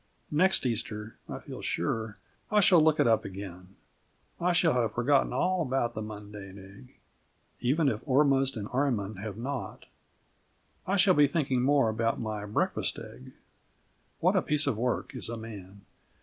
Next Easter, I feel sure, I shall look it up again. I shall have forgotten all about the mundane egg, even if Ormuzd and Ahriman have not. I shall be thinking more about my breakfast egg. What a piece of work is a man!